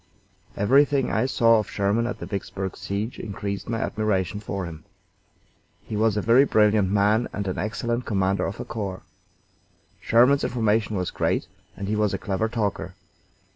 Everything I saw of Sherman at the Vicksburg siege increased my admiration for him. He was a very brilliant man and an excellent commander of a corps. Sherman's information was great, and he was a clever talker.